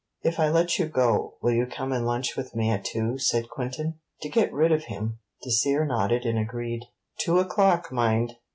'If I let you go, will you come and lunch with me at two?' said Quintin. To get rid of him, Dacier nodded and agreed. 'Two o'clock, mind!'